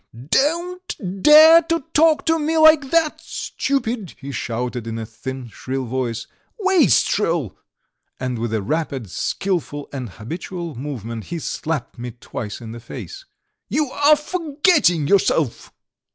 "Don't dare to talk to me like that, stupid!" he shouted in a thin, shrill voice. "Wastrel!" and with a rapid, skilful, and habitual movement he slapped me twice in the face. "You are forgetting yourself."